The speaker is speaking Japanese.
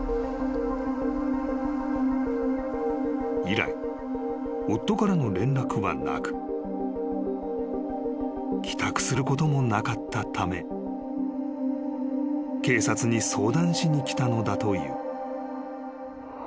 ［以来夫からの連絡はなく帰宅することもなかったため警察に相談しに来たのだという］